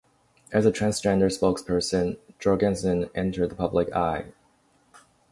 As a transgender spokesperson, Jorgensen entered the public eye.